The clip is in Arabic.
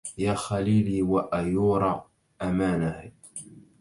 يا خليلي وأيور أمانه